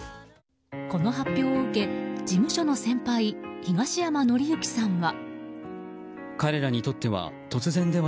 この発表を受け、事務所の先輩東山紀之さんは。